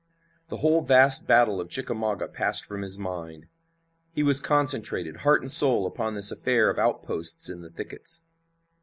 The whole vast battle of Chickamauga passed from his mind. He was concentrated, heart and soul, upon this affair of outposts in the thickets.